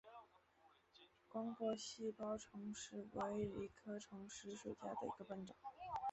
光果细苞虫实为藜科虫实属下的一个变种。